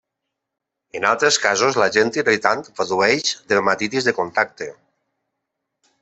En altres casos, l'agent irritant produeix dermatitis de contacte.